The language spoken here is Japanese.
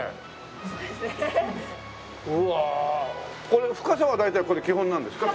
これ深さは大体これ基本なんですか？